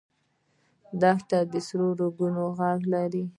دښته د سرو ریګو غږ لري.